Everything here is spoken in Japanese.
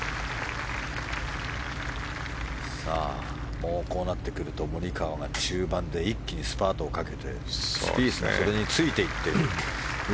もうこうなってくるとモリカワが中盤で一気にスパートをかけてスピースがそれについていってるという。